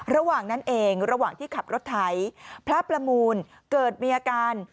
ระหว่างนั้นเองระหว่างที่ขับรถไถพระประมูลเกิดมีอาการ